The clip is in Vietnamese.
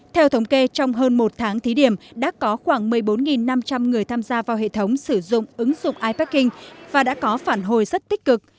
theo thống kê trong hơn một tháng thí điểm đã có khoảng một mươi bốn năm trăm linh người tham gia vào hệ thống sử dụng ứng dụng iparking và đã có phản hồi rất tích cực